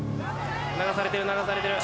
流されてる流されてる。